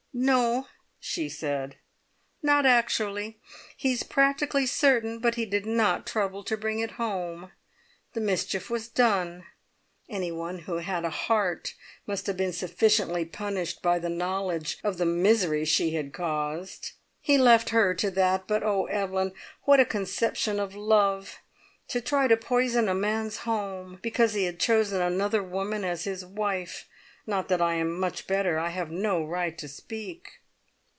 "No," she said, "not actually. He is practically certain, but he did not trouble to bring it home. The mischief was done. Anyone who had a heart must have been sufficiently punished by the knowledge of the misery she had caused. He left her to that, but, oh! Evelyn, what a conception of love! to try to poison a man's home because he had chosen another woman as his wife! Not that I am much better! I have no right to speak."